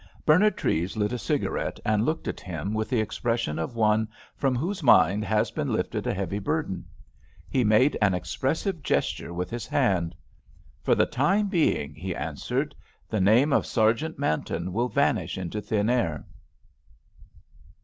Bernard Treves lit a cigarette, and looked at him with the expression of one from whose mind has been lifted a heavy burden. He made an expressive gesture with his hand. "For the time being," he answered, "the name of Sergeant Manton will vanish into thin air."